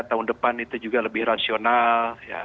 tahun depan itu juga lebih rasional